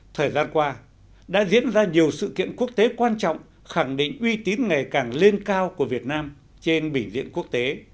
thời gian qua đã diễn ra nhiều sự kiện quốc tế quan trọng khẳng định uy tín ngày càng lên cao của việt nam trên bình diện quốc tế